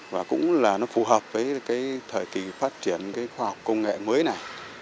và cũng là nó phù hợp với cái thời kỳ phát triển cái khoa học công nghệ mới này